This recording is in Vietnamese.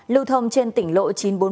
lưu thông trên tỉnh lộ chín trăm bốn mươi